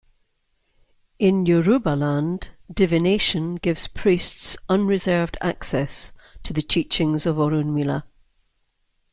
In Yorubaland, divination gives priests unreserved access to the teachings of Orunmila.